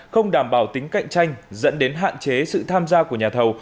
không đảm bảo tính cạnh tranh dẫn đến hạn chế sự tham gia của nhà thầu